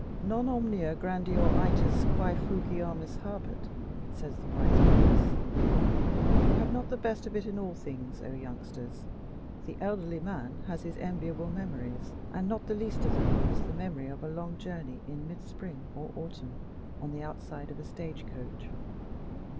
Non omnia grandior ætas quæ fugiamus habet, says the wise goddess: you have not the best of it in all things, O youngsters! the elderly man has his enviable memories, and not the least of them is the memory of a long journey in mid spring or autumn on the outside of a stage coach.